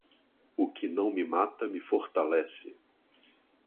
O que não me mata, me fortalece.